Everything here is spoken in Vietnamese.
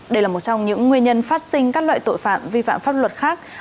đây là một trong những nguyên nhân phát sinh các loại tội phạm vi phạm pháp luật khác